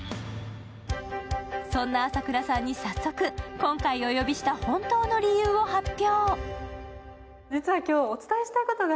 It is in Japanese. そんな浅倉さんに早速、今回お呼びした本当の理由を発表。